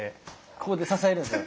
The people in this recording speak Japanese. ここで支えるんですよ。